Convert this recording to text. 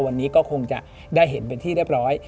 วันนี้ก็คงจะได้เห็นเป็นที่เรียบร้อย